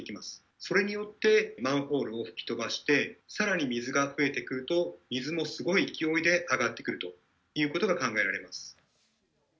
それによってマンホールのふたを吹き飛ばして、さらに水が増えてくると、水のすごい勢いで上がってくるということが考えられます。